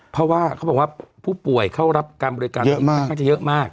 เพราะว่าเขาบอกว่าผู้ป่วยเข้ารับการบริการเยอะมาก